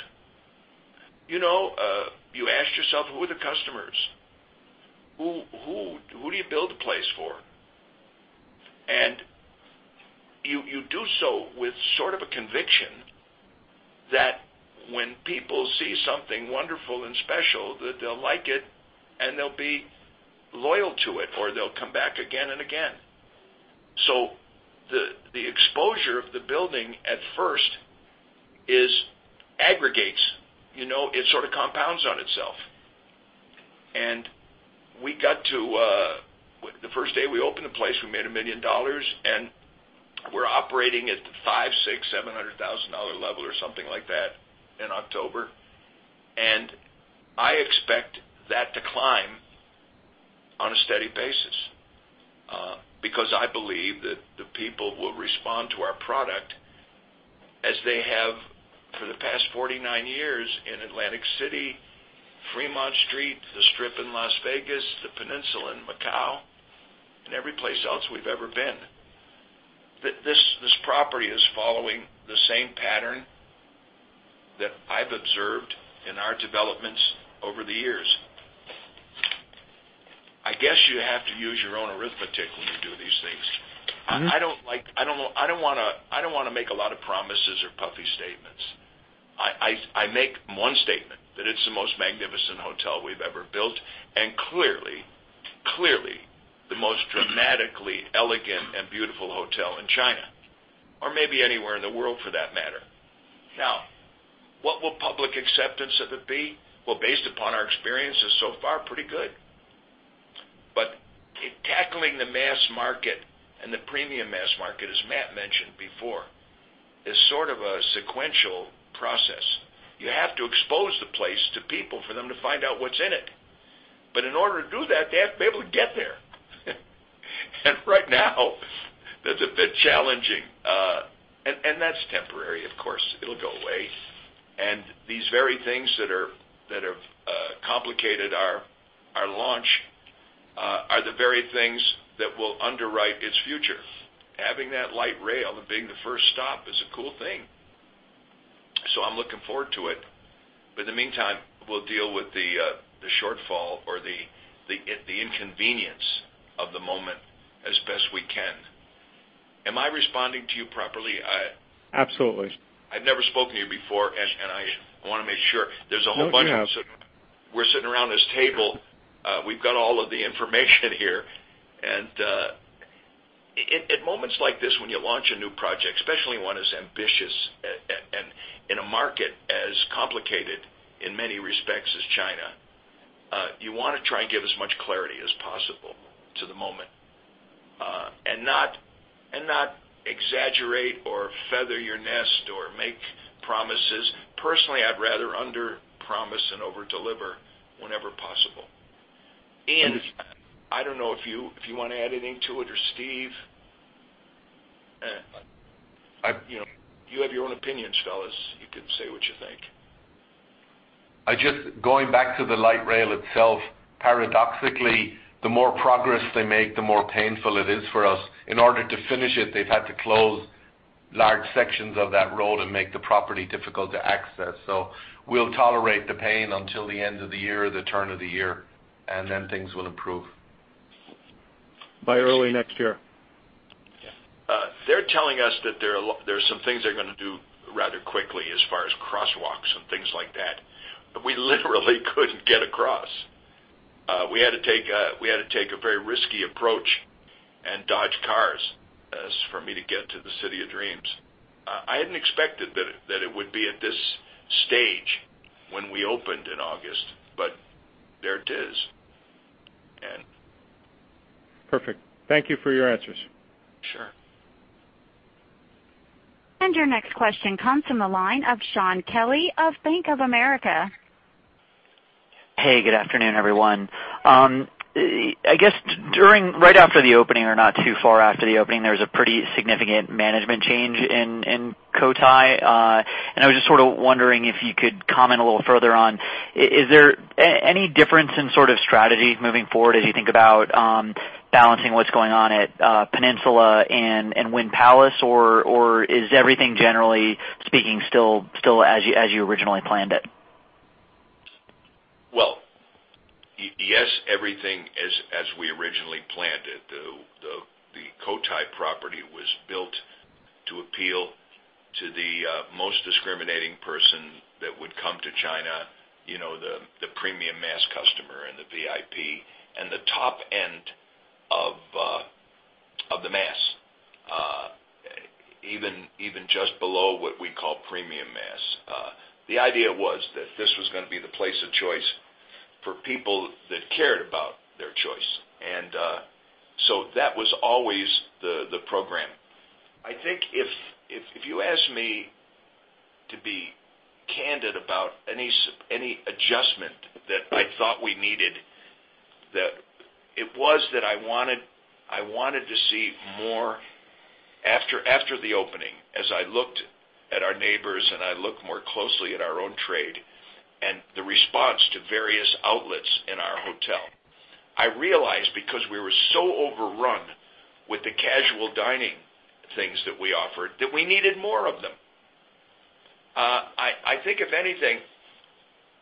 You ask yourself, who are the customers? Who do you build a place for? You do so with sort of a conviction that when people see something wonderful and special, that they'll like it and they'll be loyal to it, or they'll come back again and again. The exposure of the building at first is aggregates. It sort of compounds on itself. The first day we opened the place, we made $1 million, and we're operating at the $500,000, $600,000, $700,000 level or something like that in October. I expect that to climb on a steady basis because I believe that the people will respond to our product as they have for the past 49 years in Atlantic City, Fremont Street, the Strip in Las Vegas, the Peninsula in Macau, and every place else we've ever been. This property is following the same pattern that I've observed in our developments over the years. I guess you have to use your own arithmetic when you do these things. I don't want to make a lot of promises or puffy statements. I make one statement, that it's the most magnificent hotel we've ever built, and clearly, the most dramatically elegant and beautiful hotel in China, or maybe anywhere in the world for that matter. What will public acceptance of it be? Based upon our experiences so far, pretty good. Tackling the mass market and the premium mass market, as Matt mentioned before, is sort of a sequential process. You have to expose the place to people for them to find out what's in it. In order to do that, they have to be able to get there. Right now, that's a bit challenging. That's temporary, of course. It'll go away. These very things that have complicated our launch are the very things that will underwrite its future. Having that light rail and being the first stop is a cool thing. I'm looking forward to it. In the meantime, we'll deal with the shortfall or the inconvenience of the moment as best we can. Am I responding to you properly? Absolutely. I've never spoken to you before, I want to make sure. No, but you have. There's a whole bunch of us sitting around this table. We've got all of the information here. At moments like this, when you launch a new project, especially one as ambitious and in a market as complicated in many respects as China, you want to try and give as much clarity as possible to the moment, not exaggerate or feather your nest or make promises. Personally, I'd rather underpromise and overdeliver whenever possible. Ian, I don't know if you want to add anything to it, or Steve. You have your own opinions, fellas. You can say what you think. Just going back to the light rail itself, paradoxically, the more progress they make, the more painful it is for us. In order to finish it, they've had to close large sections of that road and make the property difficult to access. We'll tolerate the pain until the end of the year or the turn of the year. Then things will improve. By early next year. They're telling us that there's some things they're going to do rather quickly as far as crosswalks and things like that. We literally couldn't get across. We had to take a very risky approach and dodge cars as for me to get to the City of Dreams. I hadn't expected that it would be at this stage when we opened in August, but there it is. Perfect. Thank you for your answers. Sure. Your next question comes from the line of Shaun Kelley of Bank of America. Hey, good afternoon, everyone. I guess right after the opening or not too far after the opening, there was a pretty significant management change in Cotai, and I was just sort of wondering if you could comment a little further on. Is there any difference in sort of strategy moving forward as you think about balancing what's going on at Peninsula and Wynn Palace, or is everything, generally speaking, still as you originally planned it? Well, yes, everything is as we originally planned it. The Cotai property was built to appeal to the most discriminating person that would come to China, the premium mass customer and the VIP, and the top end of the mass, even just below what we call premium mass. The idea was that this was going to be the place of choice for people that cared about their choice. That was always the program. I think if you ask me to be candid about any adjustment that I thought we needed, that it was that I wanted to see more after the opening, as I looked at our neighbors and I looked more closely at our own trade and the response to various outlets in our hotel. I realized because we were so overrun with the casual dining things that we offered, that we needed more of them. I think if anything,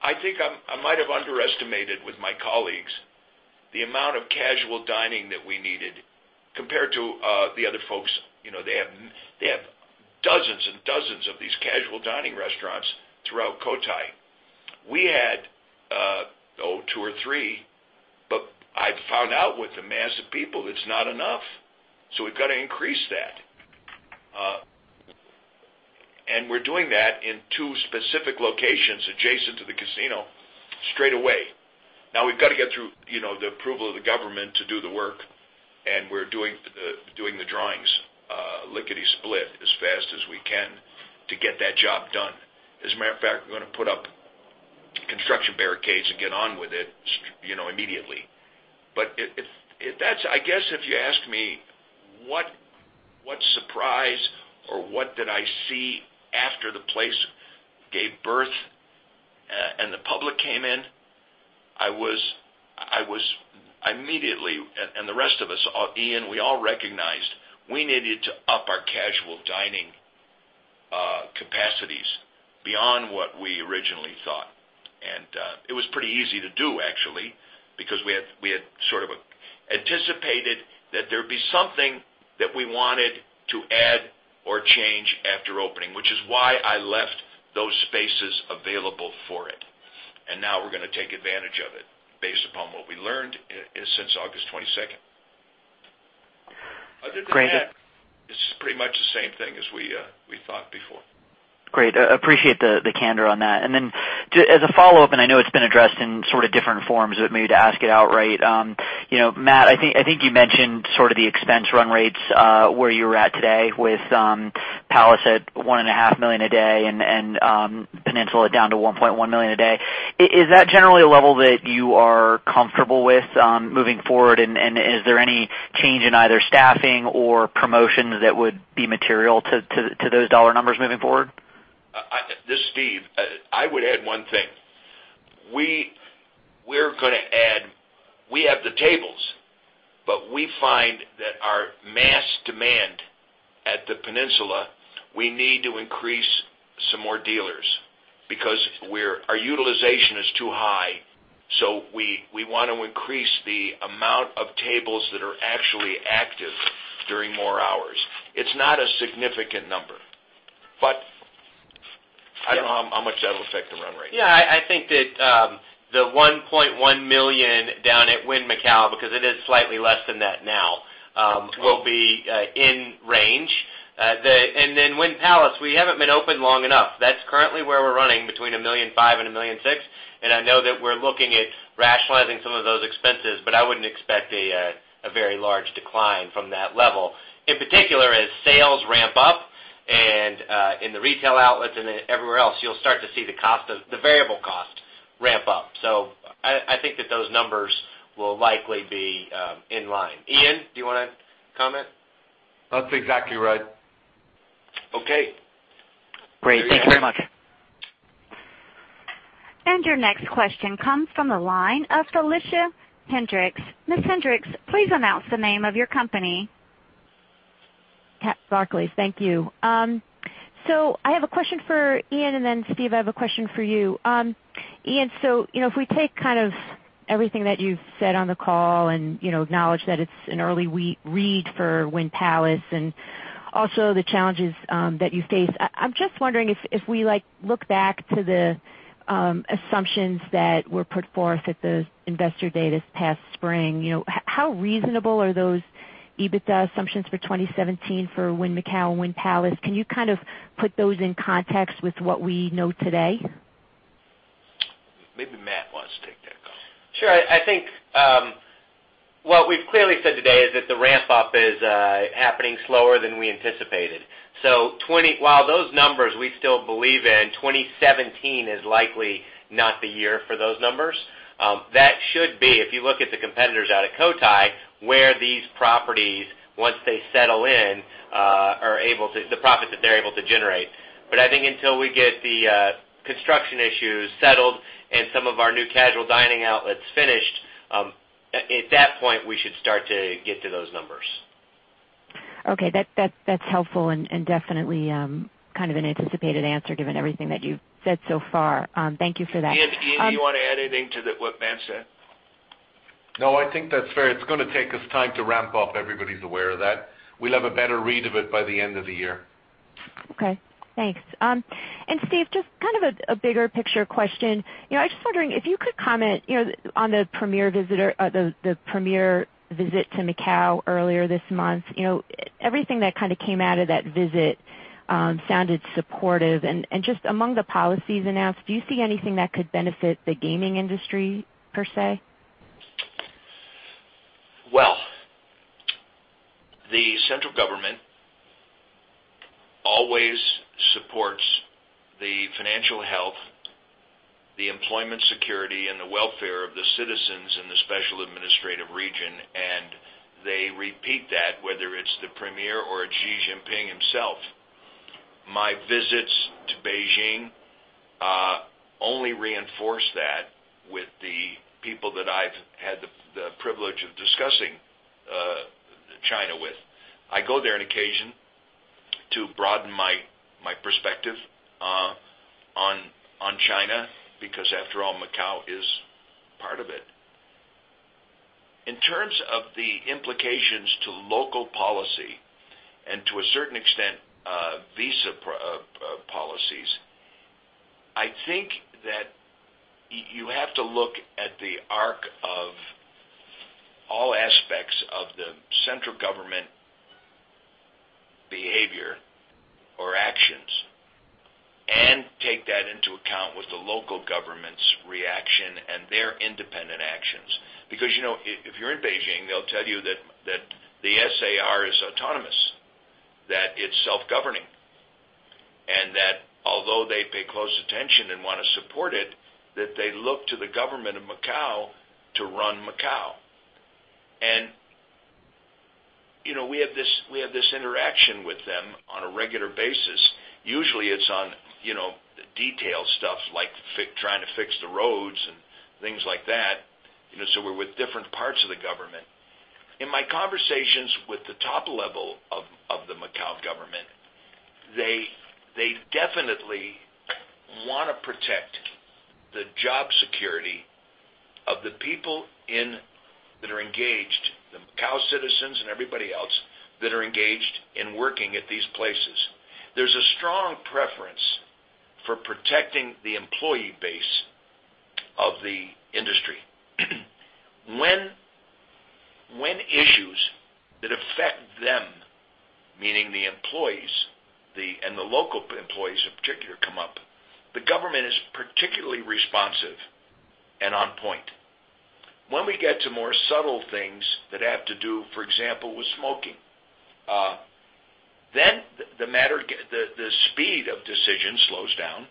I think I might have underestimated with my colleagues the amount of casual dining that we needed compared to the other folks. They have dozens and dozens of these casual dining restaurants throughout Cotai. We had, two or three, but I found out with the mass of people, it's not enough. We've got to increase that. We're doing that in two specific locations adjacent to the casino straight away. Now we've got to get through the approval of the government to do the work, and we're doing the drawings lickety-split as fast as we can to get that job done. As a matter of fact, we're going to put up construction barricades and get on with it immediately. I guess if you ask me what surprise or what did I see after the place gave birth and the public came in, I immediately, and the rest of us, Ian, we all recognized we needed to up our casual dining capacities beyond what we originally thought. It was pretty easy to do, actually, because we had sort of anticipated that there'd be something that we wanted to add or change after opening, which is why I left those spaces available for it. Now we're going to take advantage of it based upon what we learned since August 22nd. Great. Other than that, it's pretty much the same thing as we thought before. Great. Appreciate the candor on that. As a follow-up, I know it's been addressed in sort of different forms, maybe to ask it outright. Matt, I think you mentioned sort of the expense run rates where you are at today with Wynn Palace at $1.5 million a day and Wynn Macau down to $1.1 million a day. Is that generally a level that you are comfortable with moving forward, and is there any change in either staffing or promotions that would be material to those dollar numbers moving forward? This is Steve. I would add one thing. We have the tables, we find that our mass demand at Wynn Macau, we need to increase some more dealers because our utilization is too high. We want to increase the amount of tables that are actually active during more hours. It is not a significant number, I do not know how much that will affect the run rate. I think that, the $1.1 million down at Wynn Macau, because it is slightly less than that now, will be in range. Wynn Palace, we have not been open long enough. That is currently where we are running between $1.5 million and $1.6 million. I know that we are looking at rationalizing some of those expenses, I would not expect a very large decline from that level. In particular, as sales ramp up and in the retail outlets and everywhere else, you will start to see the variable cost ramp up. I think that those numbers will likely be in line. Ian, do you want to comment? That is exactly right. Okay. Great. Thank you very much. Your next question comes from the line of Felicia Hendrix. Ms. Hendrix, please announce the name of your company. Kat Barclays, thank you. I have a question for Ian, and then Steve, I have a question for you. Ian, if we take kind of everything that you've said on the call and acknowledge that it's an early read for Wynn Palace and also the challenges that you face, I'm just wondering if we look back to the assumptions that were put forth at the Investor Day this past spring, how reasonable are those EBITDA assumptions for 2017 for Wynn Macau and Wynn Palace? Can you kind of put those in context with what we know today? Maybe Matt wants to take that call. Sure. I think, what we've clearly said today is that the ramp-up is happening slower than we anticipated. While those numbers, we still believe in, 2017 is likely not the year for those numbers. That should be, if you look at the competitors out of Cotai, where these properties, once they settle in, the profit that they're able to generate. I think until we get the construction issues settled and some of our new casual dining outlets finished, at that point, we should start to get to those numbers. Okay. That's helpful and definitely, kind of an anticipated answer given everything that you've said so far. Thank you for that. Ian, do you want to add anything to what Matt said? No, I think that's fair. It's going to take us time to ramp up. Everybody's aware of that. We'll have a better read of it by the end of the year. Okay, thanks. Steve, just kind of a bigger picture question. I was just wondering if you could comment on the Premier visit to Macau earlier this month. Everything that kind of came out of that visit sounded supportive and just among the policies announced, do you see anything that could benefit the gaming industry per se? Well, the central government always supports the financial health, the employment security, and the welfare of the citizens in the Special Administrative Region, and they repeat that, whether it's the Premier or Xi Jinping himself. My visits to Beijing only reinforce that with the people that I've had the privilege of discussing China with. I go there on occasion to broaden my perspective on China, because after all, Macau is part of it. In terms of the implications to local policy and to a certain extent, visa policies, I think that you have to look at the arc of all aspects of the central government behavior or actions and take that into account with the local government's reaction and their independent actions. If you're in Beijing, they'll tell you that the SAR is autonomous, that it's self-governing, and that although they pay close attention and want to support it, that they look to the government of Macau to run Macau. We have this interaction with them on a regular basis. Usually, it's on detailed stuff like trying to fix the roads and things like that. We're with different parts of the government. In my conversations with the top level of the Macau government, they definitely want to protect the job security of the people that are engaged, the Macau citizens and everybody else that are engaged in working at these places. There's a strong preference for protecting the employee base of the industry. When issues that affect them, meaning the employees, and the local employees in particular, come up, the government is particularly responsive and on point. When we get to more subtle things that have to do, for example, with smoking, then the speed of decision slows down.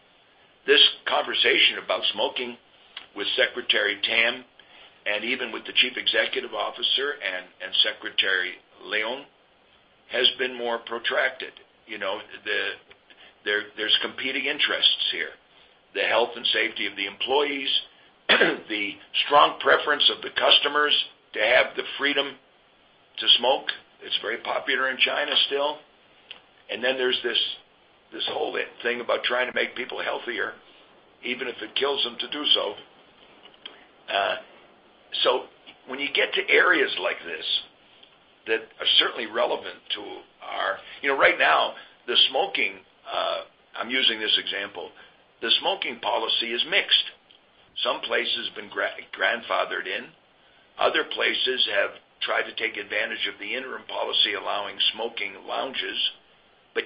This conversation about smoking with Secretary Tam, and even with the Chief Executive Officer and Secretary Leong, has been more protracted. There's competing interests here. The health and safety of the employees, the strong preference of the customers to have the freedom to smoke. It's very popular in China still. Then there's this whole thing about trying to make people healthier, even if it kills them to do so. When you get to areas like this that are certainly relevant to right now, the smoking, I'm using this example, the smoking policy is mixed. Some places have been grandfathered in. Other places have tried to take advantage of the interim policy allowing smoking lounges.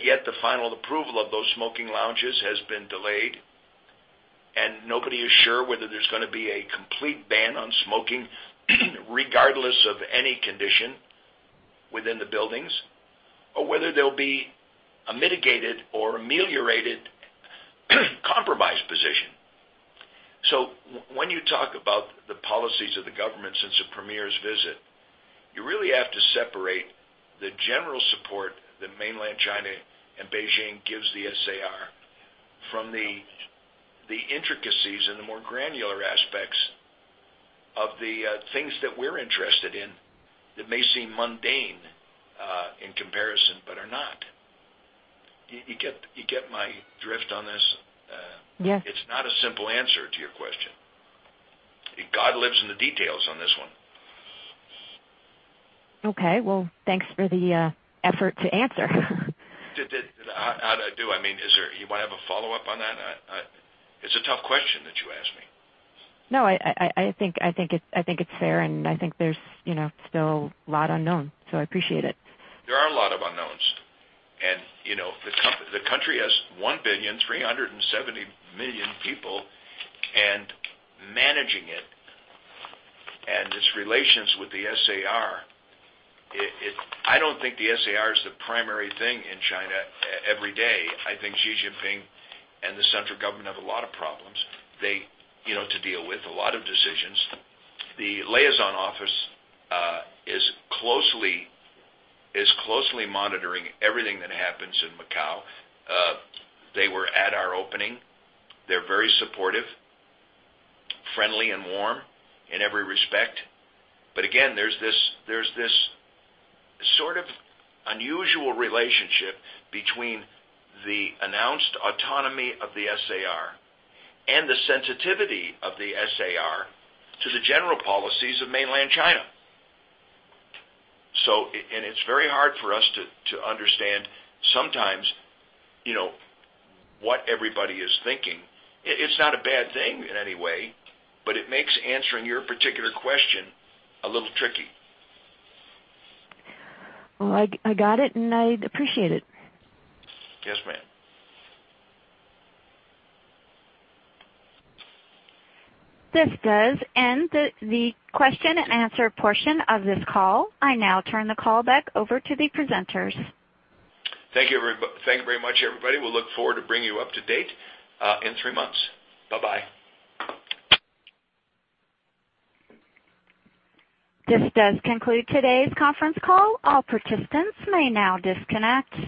Yet the final approval of those smoking lounges has been delayed, and nobody is sure whether there's going to be a complete ban on smoking regardless of any condition within the buildings, or whether there'll be a mitigated or ameliorated compromised position. When you talk about the policies of the government since the Premier's visit, you really have to separate the general support that mainland China and Beijing gives the SAR from the intricacies and the more granular aspects of the things that we're interested in that may seem mundane in comparison, but are not. You get my drift on this? Yes. It's not a simple answer to your question. God lives in the details on this one. Okay. Well, thanks for the effort to answer. I do. You want to have a follow-up on that? It's a tough question that you asked me. No, I think it's fair, I think there's still a lot unknown, I appreciate it. There are a lot of unknowns. The country has 1,370,000,000 people, managing it and its relations with the SAR, I don't think the SAR is the primary thing in China every day. I think Xi Jinping and the central government have a lot of problems to deal with, a lot of decisions. The liaison office is closely monitoring everything that happens in Macau. They were at our opening. They're very supportive, friendly, and warm in every respect. Again, there's this sort of unusual relationship between the announced autonomy of the SAR and the sensitivity of the SAR to the general policies of mainland China. It's very hard for us to understand sometimes what everybody is thinking. It's not a bad thing in any way, but it makes answering your particular question a little tricky. Well, I got it, and I appreciate it. Yes, ma'am. This does end the question and answer portion of this call. I now turn the call back over to the presenters. Thank you very much, everybody. We'll look forward to bringing you up to date in three months. Bye-bye. This does conclude today's conference call. All participants may now disconnect.